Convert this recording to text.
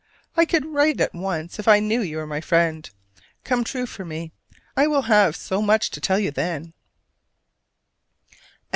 I could write at once if I knew you were my friend. Come true for me: I will have so much to tell you then!